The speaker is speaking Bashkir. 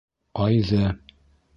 Айҙы.